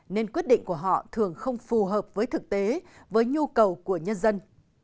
nên quyết định của họ thường không phù hợp với thực tế với nhu cầu của nhân dân